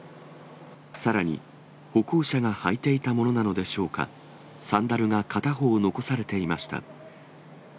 さらに、歩行者が履いていたものなのでしょうか、サンダルが片方残されていました。